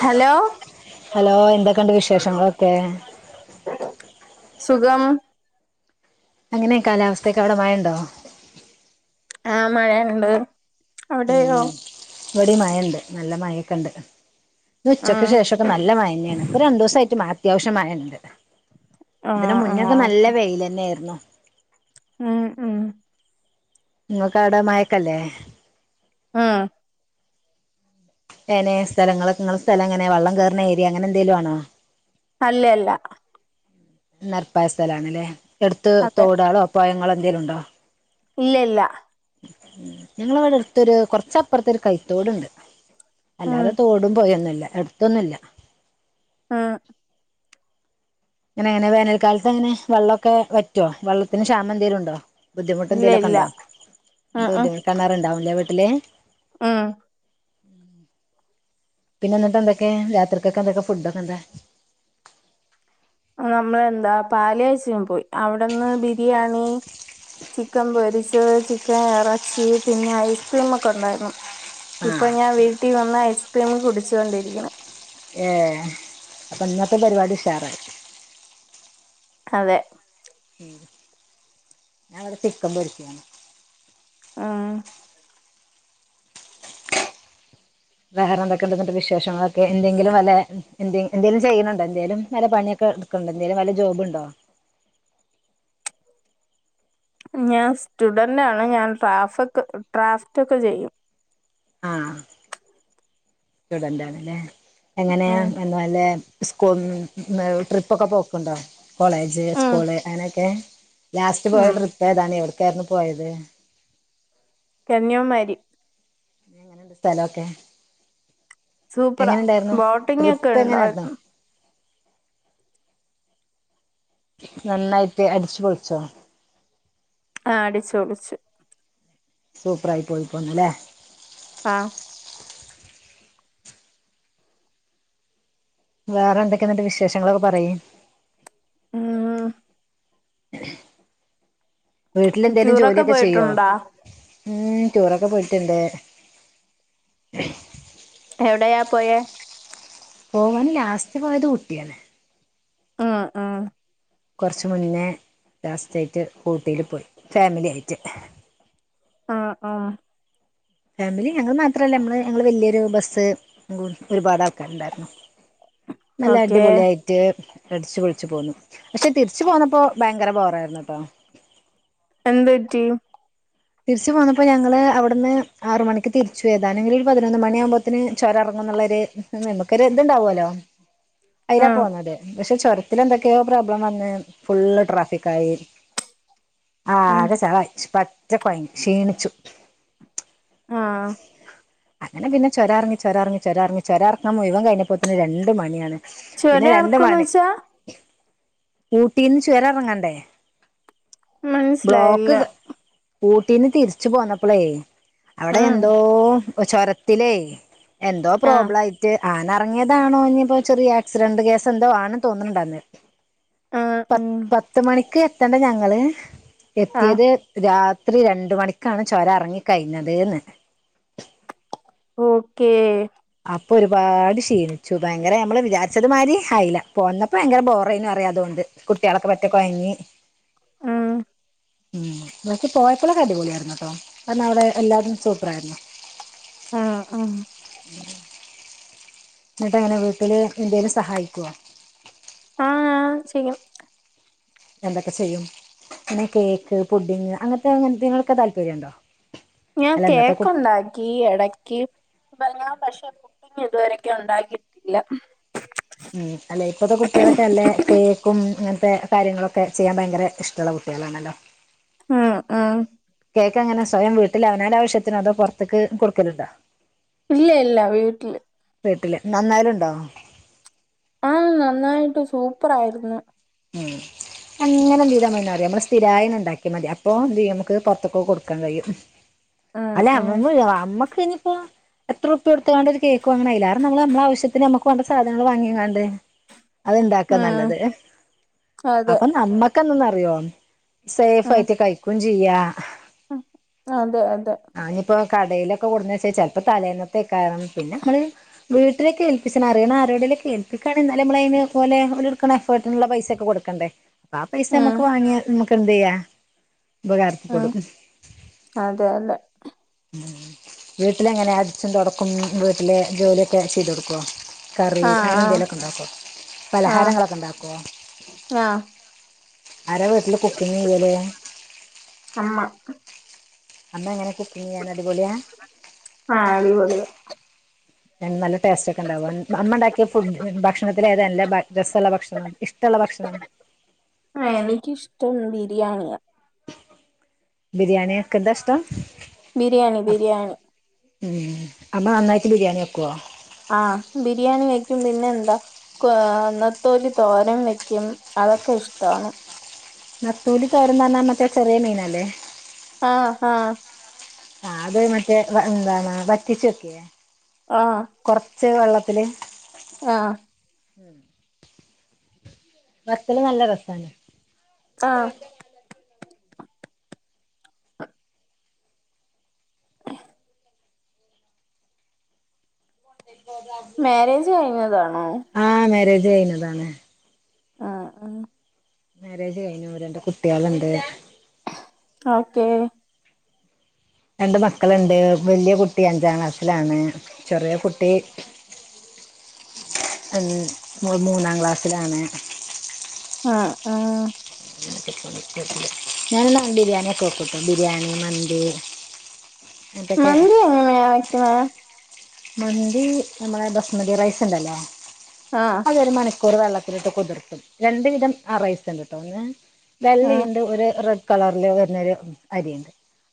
Hello hello എന്തൊക്കെയുണ്ട് വിശേഷങ്ങളൊക്കെ സുഖം എങ്ങനെ കാലാവസ്ഥയൊക്കെ അവിടെ മഴണ്ടോ? ആഹ് മഴണ്ട് ഉം ഇബടിം മഴണ്ട് നല്ല മഴക്കെണ്ട് ഇന്നുച്ചക്ക് ഉം ശേഷൊക്കെ നല്ല മായ്യെന്നെയാണ് ഇപ്പൊ രണ്ടൂസായിട്ട് മഴ അത്യാവിശ്യം മഴണ്ട് ഇതിന് ആഹ് ആഹ് മുന്നൊക്കെ നല്ല ഓക്കെ വെയിലെന്നെയായിരുന്നു ഉം ഉം ഇങ്ങക്കാടെ മഴക്കല്ലേ? ആഹ് എങ്ങനെ സ്ഥലങ്ങളൊക്കെ ഇങ്ങളെ സ്ഥലങ്ങനെ വള്ളം കേറ്ണേരിയ അങ്ങനെന്തേലുവാണോ? അല്ലല്ല നെരെപ്പായ സ്ഥലാണല്ലേ? എടുത്ത് അതെ തോടാളോ, പൊഴങ്ങളോ, എന്തേലുണ്ടോ? ഇല്ലയില്ല ഉം ഞങ്ങളവെടെ അടുത്തൊരു കൊറച്ചപ്പുറത്തൊരു കൈത്തോടുണ്ട് ഉം അല്ലാതെ തോടും, പൊഴൊന്നുല്ല എടുത്തൊന്നുല്ല ആഹ് ലങ്ങനെ അങ്ങനെ വേനൽക്കാലത്തെങ്ങനെ വെള്ളൊക്കെ വറ്റോ? വെള്ളത്തിന് ക്ഷാമന്തേലുണ്ടോ? ഇല്ല ഇല്ല ബുദ്ധിമുട്ട്ന്തേലൊക്കെണ്ടോ? ഉം ഉം ബുദ്ധിമുട്ട കെണറ്ണ്ടാവൂലേ വീട്ടില്? ഉം പിന്നെന്നിട്ട്ന്തൊക്കെ രാത്രിക്കേക്കെന്തൊക്കെ ഫുഡൊക്കെന്താ? നമ്മളെന്താ പാലാഴ്ച്ചിന് പോയി അവിടെന്ന് ബിരിയാണി ചിക്കൻ പൊരിച്ചത്, ചിക്കൻ എറച്ചി, പിന്നെ ഐസ്ക്രീമൊക്കെണ്ടായിരുന്നു ആ ഇപ്പൊ ഞാൻ വീട്ടി വന്ന് ഐസ് ക്രീം കുടിച്ചോണ്ടിരിക്ക്ണ് ഏഹ് അപ്പയിന്നത്തെ പരിപാടി ഉഷാറായി അതെ ഉം ഞാ ഇവടെ ചിക്കൻ പൊരിക്കാണ് ആഹ് വേറെന്തൊക്കെണ്ട് ന്നിട്ട് വിശേഷങ്ങളൊക്കെ എന്തെങ്കിലും വല്ലേ എന്തെ എന്തെങ്കിലും ചെയ്യ്ണണ്ടോ എന്തേലും വല്ല പണിയൊക്കെ സ്വന്തം എന്തേലും വല്ല ജോബ് ഇണ്ടോ ഞാൻ സ്റ്റുഡന്റാണ് ഞാൻ ട്രാഫോ ട്രാഫ്റ്റ് ഒക്കെ ചെയ്യും ആഹ് സ്റ്റുഡന്റ്റ്ണല്ലേ എങ്ങനെയാ ഉം എന്നല് വല്ലെ സ്കൂൽന്ന് ട്രിപ്പൊക്കെ പോക്ക്ണ്ടോ കോളേജ് ഉം സ്കൂള് അങ്ങനെയൊക്കെ ലാസ്റ്റ് പോയ ഉം ട്രിപ്പ് ഏതാണ് എവിടെക്കായിരുന്നു പോയത് കന്യാകുമാരി സ്ഥലൊക്കെ സൂപ്പറാ എങ്ങനെണ്ടായിരുന്നു ബോട്ടിംഗ് ഒക്കെ ട്രിപ്പ് എങ്ങനായിരുന്നു ഉണ്ടായിരുന്നു നന്നായിട്ട് അടിച്ചു പൊളിച്ചോ ആ അടിച്ചു പൊളിച്ചു സൂപ്പറായി പോയി പോന്നു ല്ലേ ആഹ് വേറെ എന്തൊക്കെയെന്നിട്ട് വിശേഷങ്ങളൊക്കെ പറയ് ഇമ് വീട്ടില് എന്തെങ്കലും ടൂറൊക്കെ ജോലിയൊക്കെ ചെയ്യോ പോയിട്ടുണ്ടോ ഇമ് ടൂറൊക്കെ പോയിട്ട്ണ്ട് എവിടെയാ പോയേ പോവാൻ ലാസ്റ്റ് പോയത് ഊട്ടിയാണ് ആഹ് ആഹ് കൊറച്ച് മുന്നേ ലാസ്റ്റ് ആയിട്ട് ഊട്ടി പോയി ഫാമിലി ആയിട്ട് ആഹ് ആ ഫാമിലി ഞങ്ങള് മാത്രമല്ല നമ്മൾ ഞങ്ങൾ വലിയൊരു ബസ്സ് ഒരുപാട് ആൾക്കാരുണ്ടായിരുന്നു നല്ല ഓക്കേ അടിപൊളി ആയി റ്റ് അടിച്ച് പൊളിച്ച് പോന്നു പക്ഷേ തിരിച്ച് പോന്നപ്പോൾ ഭയങ്കര ബോറായിരുന്നു ട്ടോ എന്ത്‌ പറ്റി തിരിച്ച് പോന്നപ്പോൾ ഞങ്ങള് അവിട്ന്ന് ആറു മണിക്ക് തിരിച്ച് ഓയതാ അല്ലെങ്കിൽ ഒരു പതിനൊന്ന് മണി ആകുമ്പോത്തേന് ചൊരാറങ്ങുന്ന്ള്ളൊര് നമുക്കൊര് ഇത് ണ്ടാവോലോ അയിലാ ഉം പോന്നത് പക്ഷെ ചുരത്തി എന്തൊക്കെയോ പ്രോബ്ലം വന്ന് ഫുള്ള് ട്രാഫിക്കായി ആ ഉം ആകെ ചളായി പറ്റെ കൊഴങ്ങി ക്ഷീണിച്ചു ആഹ് അങ്ങനെ പിന്നെ ചൊരറങ്ങി ചൊരറങ്ങി ചൊരങ്ങി ചൊരറക്കം മുഴുവൻ കഴിഞ്ഞപ്പോത്തിന് രണ്ട് മണിയാണ് പിന്നെ ചുരം ഇറക്കുംന്ന് രണ്ടുമണി വെച്ചാ ഊട്ടീന്ന് ചൊരറങ്ങണ്ടേ ഇമ് മനസ്സിലായില്ല ഊട്ടീന്ന് തിരിച്ചു പോന്നപ്പളേ അവിടെ ഉം എന്തോ ചൊരത്തിലേ എന്തോ ആ പ്രോബ്ലം ആയിട്ട് ആന ഇറങ്ങിയതാണോ ഇപ്പോ ചെറിയ ആക്സിഡന്റ് കേസ് എന്തോ ആണെന്ന് തോന്ന്ണ്ട് ആ നേര ആ പ ഉം പത്ത് മണിക്ക് എത്തണ്ട ഞങ്ങള് ആ എത്തിയത് രാ ത്രി രണ്ട് മണിക്കാണ് ചോരറങ്ങി കഴിഞ്ഞത് ഓക്കെ അപ്പോ ഒരുപാട് ക്ഷീണിച്ചു ഭയങ്കര നമ്മള് വിചാരിച്ചതു മാതിരി ആയില്ല പോന്നപ്പോൾ ഭയങ്കര ബോറായിരുന്നു അതുകൊണ്ട് കുട്ടിയാളൊക്കെ പറ്റെ കൊഴങ്ങി ആഹ് ഉം എന്നച്ച് പോയപ്പോളെക്കെ അടിപൊളിയായിരുന്നു ട്ടോ അന്നവിടെ എല്ലാരും സൂപ്പറായിരുന്നു ട്ടോ ആഹ് ആഹ് ന്നിട്ട്ങ്ങനെ വീട്ടില് എന്തേലും സഹായിക്കുവോ ആഹ് ചെയ്യും എന്തൊക്കെ ചെയ്യും പിന്നെ കേക്ക്, പുഡിങ് അങ്ങൻത്തെ അങ്ങൻന്തെ ലൊക്കെ താല്പര്യണ്ടോ? ഞാം അല്ല ഇന്നത്തെ കു കേക്കുണ്ടാക്കി എടക്ക് [unintelligible] പക്ഷെ പുഡിംഗ് ഇതുവരൊക്കെ ഉണ്ടാക്കിട്ടില്ല ഉം അല്ലെ ഇപ്പത്തെ കുട്ട്യളൊക്കെ അല്ലെ കേക്കും ഇങ്ങൻത്തെ കാര്യങ്ങളൊക്കെ ചെയ്യാൻ ഭയങ്കര ഇഷ്ടള്ള കുട്ട്യളാണല്ലോ ഹു ഉം കേക്കെങ്ങന സ്വയം വീട്ടില വനാന്റാവശ്യത്തിനൊ അതോ പൊറത്തേക്ക് കൊടുക്കല്ണ്ടോ? ഇല്ല്യ ല്ല വീട്ടില് വീട്ടില് നന്നായല്ണ്ടോ? ആഹ് നന്നായിട്ട് സൂപ്പറായിരുന്നു. ഉം അങ്ങനെന്ത്യ്താ മതീന്നറിയൊ മ്മള് സ്ഥിരായിന് ണ്ടാക്കി മതി അപ്പൊ ന്തെയ്യാ മ്മക്ക് പൊറത്തൊക്ക കൊടുക്കാൻ കഴിയും ഉം അല്ല ഉം അമ്മ മ്മ് അമ്മക്കെനിപ്പോ എത്രുർപ്യട്ത്ത്ക്കാണ്ട് ഒരു കേക്ക് വാങ്ങാനായിലാരും നമ്മള് നമ്മളാവശ്യത്തിന് നമ്മക്ക് വേണ്ട സാധനങ്ങള് വാങ്ങികാണ്ട് അത് ണ്ടാക്കാ ഉം നല്ലത് അതെ അപ്പം നമ്മക്കെന്നന്നറിയോ സേഫായിട്ട് കഴിക്കും ചിയ്യാ അ ആഹ് അതെ അതെ ആഹ് നിപ്പോ കടയിലൊക്കെ കൊടുന്നേച്ച ചെൽപ്പോ തലേന്നത്തെക്കാവും പിന്ന മ്മള് വീട്ടിലേക്കേൽപ്പിച്ചനറിയണ ആരോടിലൊക്കെ ഏൽപ്പിക്കാണെന്നാല് മ്മള യിന പോലെ ഓലെടുക്കണ എഫേർട്ടിനുള്ള പൈസ ക്ക് കൊടുക്കണ്ടേ പാ പൈസ ഉം നമ്മക്ക് വാങ്ങിയാ മ്മക്കെന്തെ യ്യാ ഉം ഉപകാരപ്പെടും അതെ അതെ ഉം വീട്ടിലെങ്ങനെയാ അടിച്ചും തൊടക്കും വീട്ടിലെ ജോലിയൊക്കെ ചെയ്തൊടുക്കോ? കറി ആ ആ അങ്ങനെന്തേലൊക്ക ണ്ടാക്കോ? പലഹാരങ്ങളൊക്ക ണ്ടാക്കോ? ആഹ് ആരാ വീട്ടില് കുക്കിങ്ങെയ്യല്? അമ്മ അമ്മ എങ്ങനെ കുക്കിങ്ങയ്യാൻ അടിപൊളിയാ? ആഹ് അടി പൊളിയാ ഞാൻ ന്നാല് ടേസ്‌റ്റൊക്കണ്ടാവോ? അമ്മ ഇണ്ടാക്കിയ ഫുഡ് ഭക്ഷണത്തി ലേത നല്ല രസള്ള ഭക്ഷണം ഇഷ്ടള്ള ഭക്ഷണം? ആഹ് എനിക്കിഷ്ടം ബിരിയാണിയാ ബിരിയാണിയാക്കതാഷ്ടം? ബിരിയാണി ബിരിയാണി ഉം അമ്മ നന്നായിട്ട് ബിരിയാണി വെക്കുവോ? ആഹ് ബിരിയാണി വയ്ക്കും പിന്നെന്താ ക്വ നത്തോലി തോരൻ വെയ്ക്കും അതൊക്കെ ഇഷ്ടാണ് നത്തോലി തോരന്നറിഞ്ഞ മറ്റേ ചെറിയ മീനല്ലേ? ആഹ് ആഹ് ആഹ് അത് മറ്റേ വ എന്താണ് വറ്റിച്ചെക്കേ? ആഹ് കൊറച്ച് വെള്ളത്തില് ആഹ് നത്തല് നല്ല രസാണ് ആഹ് [inaudible] [unintelligible] മേരേജ് കഴിഞ്ഞതാണോ ആഹ മേരേജ് കഴിഞ്ഞതാണ് ആഹ് ആഹ് മേരേജ് കഴിഞ്ഞു രണ്ട് കുട്ടികളിണ്ട് ആഹാ ഓക്കേ രണ്ട് മക്കള് ണ്ട് വല്യ കുട്ടി അഞ്ചാം ക്ലാസ്സിലാണ് ചെറിയ കുട്ടി ഉം മൂന്നാം ക്ലാസ്സിലാണ് ആഹ് ആഹ് ഞാന ഡാം ബിരിയാണിയെക്കെ വെക്കുട്ടോ ബിരിയാണി മന്തി [inaudible] അങ്ങനത്തൊക്കെ മന്തി എങ്ങനെയാ വയ്ക്കണേ മന്തീ നമ്മളെ ബസ്മതി റൈസ് ഇണ്ടല്ല ആഹ് അ ഒരു മണിക്കൂർ വെള്ളത്തിലിട്ട് കുതിർത്തും രണ്ട് വിധം റൈസ് ഉണ്ട് ട്ടോ ഒന്ന്‌ ആഹ് വെള്ളയിണ്ട് ഒരു റെഡ് കളറില് വരുന്നൊ രു അരിയുണ്ട്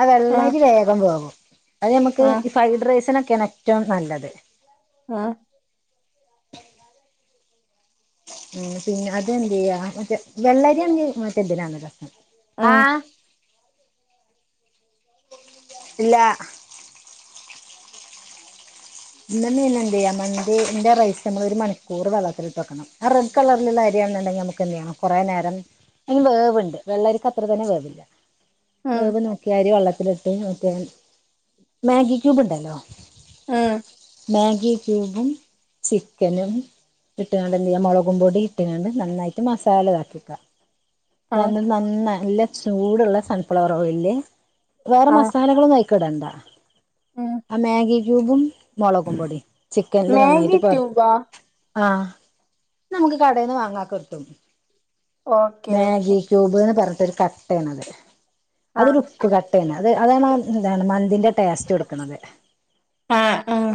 അ ആഹ് വെള്ളരി വേഗം വേവും അത് നമ്മക്ക് ആഹ് ഈ ഫ്രൈഡ് റൈസിനൊക്കെണ് ഏറ്റോം നല്ലത് ആഹ് ഉം പിന്നെ അത് എന്ത്യ്യാ മറ്റേ വെള്ളരിങ്കിൽ മറ്റെതിനാണ്ഇട ആഹ് ഇല്ല ഇന്ന മീൻ എന്തയ്യ മന്തി ന്റെ റൈസ് നമ്മൾ ഒരു മണിക്കൂർ വെള്ളത്തിലിട്ട് വെക്കണം ആ റെഡ് കളറിലുള്ള അരിയണണ്ടെങ്കി നമുക്ക് എന്ത്യയ്യ കുറെ നേരം ഇതി വേവുണ്ട് വെള്ളരിക്ക് അത്ര തന്നെ വേവില്ല ഉം വേവ് നോക്കി അരി വെള്ളത്തിലിട്ട് മറ്റേ മാഗി ക്യൂബ് ഉണ്ടല്ലോ ആഹാ മാഗി ക്യൂബും ചിക്കനും ഇട്ടണ്ട് എന്ത് ചെയ്യാ മുളകും പൊടി ഇട്ടുകണ്ട് നന്നായിട്ട് മസാലതാക്കിക്കുക ആഹ് നന്ന നന്നാ നല്ല ചൂടുള്ള സൺഫ്ലവർ ഓയില് വേറെ ആഹ് മസാലകളൊന്നും അയികിടണ്ട ഉം ആഹ മാഗി ക്യൂബും മുളകും പൊടി ചിക്കനില് മാഗി നന്നായിട്ട് പർത്തു ക്യൂബാ ആഹ് നമുക്ക് കടയിന്ന് വാങ്ങകിട്ടും ഓക്കേ ഓക്കേ മാഗി ക്യൂബ് എന്ന് പറഞ്ഞിട്ടൊരു കട്ടണത് അതൊരു ആഹ് ഉപ്പ് കട്ടാണ് അത് അതാണ് എന്താണ് മന്തിന്റെ ടേസ്റ്റ് എടുക്കുന്നത് ആഹ് ആഹ്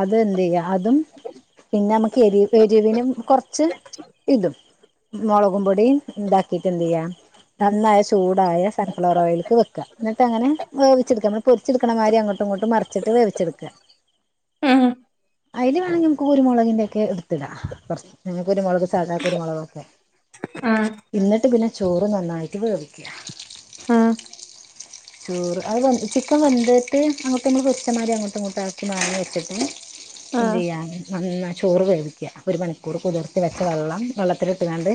അതെന്ത്യ്യ അതും പിന്നെ നമുക്ക് എരി എരിവിനും കൊറച്ച് ഇതും മുളകും പൊടിയും ഇതാക്കിട്ട് എന്ത്യ്യാം നന്നായ ചൂടായ സൺഫ്ലവർ ഓയിലിക്ക് വെക്ക എന്നിട്ട്ങ്ങനെ വേവിച്ചടുക്ക നമ്മള് പൊരിച്ചെടുക്കണ മാതിരി അങ്ങോട്ടും ഇങ്ങോട്ടും മറിച്ചിട്ട് വേവിച്ചെടുക്കുക ഉം അതില് വേണെങ്കിൽമുക്ക് കുരുമുളകിന്റെ ഒക്കെ എടുത്തിട കുരു കുരുമുളക് സാധ കുരുമുളൊകക്കെ ആഹ് എന്നിട്ട് പിന്നെ ചോറ് നന്നായിട്ട് വേവ് ആഹ് ചോറ് അത് വെന്തി ചിക്കൻ വെന്തിട്ട് അങ്ങട്ട് നമ്മ വെ ച്ചമാതിരി അങ്ങോട്ടും ഇങ്ങോട്ട് ആക്കി മാങ്ങി വെച്ചിട്ട് ആഹ് എന്ത്യ്യാ നന്നായി ചോറ് വെവിക്കുക ഒരു മണിക്കൂർ കുതിർത്തി വെച്ച വെള്ളം വെള്ളത്തിലിട്ടുകാണ്ട്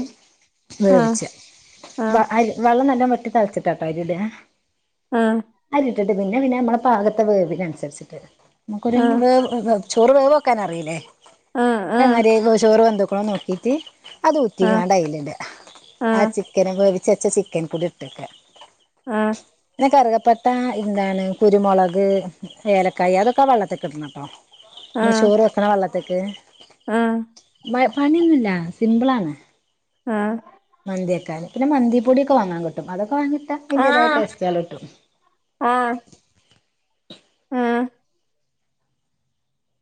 വേവിച്ച ആഹ് വ അരി വെള്ളം നല്ല വെട്ടി തിളച്ചിട്ടാട്ടോ അരിടാ ആഹ് അരിട്ടിട്ട് പിന്നെ പിന്നെ നമ്മളെ പാകത്തെ വേവിനനുസരിച്ചിട്ട് നമുക്കൊരു ആഹ് വേവ് വെവെവ് ചോറ് വെവോക്കാൻ അറീല്ലേ ആ ആ അതെമായ്രി വെ ചോറ് വെന്ത്ക്ണോ നോക്കീട്ട് അത് ആ ഊറ്റിങ്ങാണ്ട് അയ്ല്ടാ. ആ ചിക്കന് വേവിച്ചെച്ച ചിക്കൻക്കൂടി ഇട്ടക്കാ. ആഹ് പിന്നെ കറുകപ്പട്ട എന്താണ് കുരുമുളക് ഏലക്കായ അതൊ ക്കാ വെള്ളത്തിക്ക് ഇടണട്ടോ. ആ നമ്മൾ ചോറ് വെക്ക്ണ വെള്ളത്ത്ക്ക്. ആ മ പണിയൊന്നുല്ല സിമ്പിളാണ്. ആഹ് മന്ത്യെക്കാന്. പിന്നെ മന്തിപ്പൊടിയൊക്കെ വാങ്ങാൻ കിട്ടും. അതൊക്കെ വാങ്ങിട്ടാ അയിന്റേതായ ടേസ്റ്റേള് കിട്ടും. ആഹ്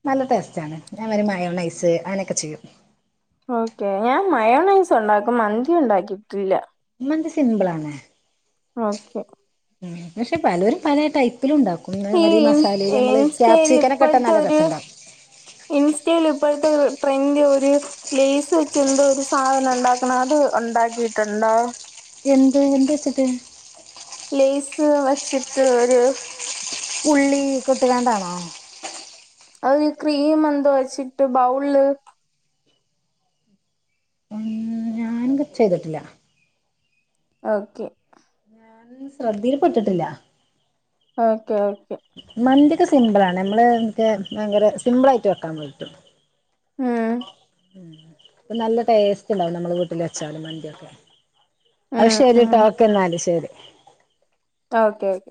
നല്ല ടേസ്റ്റാണ്. ഞാൻ വാരി മയോണൈസ് അങ്ങനെയൊക്കെ ചെയ്യും. ഓക്കെ. ഞാൻ മയോണൈസ് ഉണ്ടാക്കും മന്തി ഉണ്ടാക്കിട്ടില്ല. മന്തി സിംമ്പിളാണ് ഓക്കെ പക്ഷെ പലോരും പലേ ടൈപ്പിലും ഉണ്ടാക്കും. ഈ ഇൻ മസാലയിൽ നമ്മൾ ഇൻസ്റ്റേൽ ക്യാപ്സിക്കനൊക്കെ ഇട്ടാൽ ഇപ്പഴ്ത്തെ നല്ല ഒരു രസമുണ്ടാവും ഇൻസ്റ്റയിൽ ഇപ്പഴ്ത്തെ ട്രെൻഡ് ഒരു ലെയ്സ് വെച്ച് എന്തോ ഒരു സാധനം ഉണ്ടാക്കണെ അത് ഉണ്ടാക്കീട്ടുണ്ടോ? എന്ത്, എന്ത് വെച്ചിട്ട്? ലെയ്സ് വച്ചിട്ട് ഒരു ഉള്ളി ഒക്കെ ഇട്ട്കാണ്ടാണോ? അത് ക്രീം എന്തോ വെച്ചിട്ട് ബൗൾള് ങ്ക് ചെയ്തിട്ടില്ല. ഓക്കേ. അത് ശ്രദ്ധീല് പെട്ട്ട്ട്ല്ല. Okay okay. മന്ത്യൊക്കെ സിമ്പിളാണ്. നമ്മള് മറ്റേ ഭയങ്കര സിമ്പിളായിട്ട് വെക്കാൻപറ്റും. ഉം. ഉം അപ്പ നല്ല ടേസ്റ്റ്ണ്ടാവും നമ്മളെ വീട്ടിൽ വെച്ചാലും മന്തിയൊക്കെ. അത് ഉം ഉം ശരിട്ടോ ഓക്കെ ന്നാല് ശരി. ആഹ് ഓക്കേ ഓക്കേ.